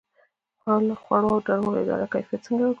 د خوړو او درملو اداره کیفیت څنګه ګوري؟